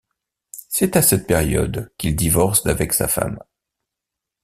C'est à cette période qu'il divorce d'avec sa femme.